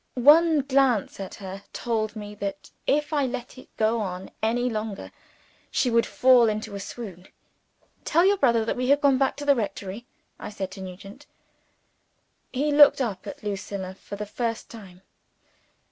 One glance at her told me that if I let it go on any longer she would fall into a swoon. "Tell your brother that we have gone back to the rectory," I said to Nugent. He looked up at Lucilla for the first time.